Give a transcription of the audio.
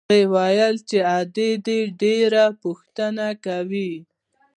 هغه وويل چې ادې دې ډېره پوښتنه کوي.